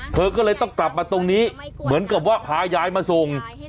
เธอก็เลยต้องกลับมาตรงนี้เหมือนกับว่าพายายมาส่ง